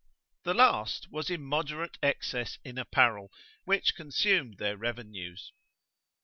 The last was immoderate excess in apparel, which consumed their revenues.